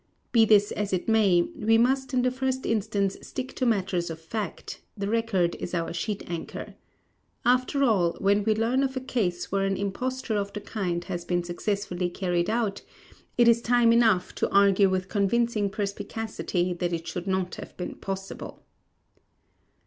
Be this as it may, we must in the first instance stick to matters of fact; the record is our sheet anchor. After all, when we learn of a case where an imposture of the kind has been successfully carried out, it is time enough to argue with convincing perspicacity that it should not have been possible.